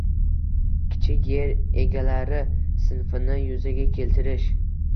Kichik yer egalari sinfini yuzaga keltirish